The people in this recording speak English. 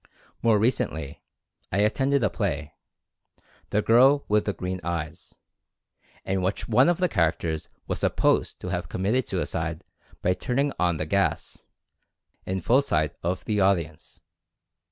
More recently, I attended a play ("The Girl with the Green Eyes") in which one of the characters was supposed to have committed suicide by turning on the gas, in full sight of the audience.